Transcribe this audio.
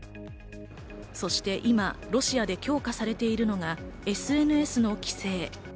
そして今、ロシアで強化されているのがＳＮＳの規制。